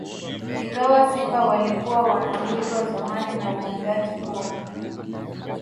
Ingawa simba walikuwa wanawindwa zamani na uwindaji huo